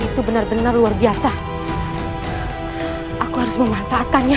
itu benar benar luar biasa aku harus memanfaatkannya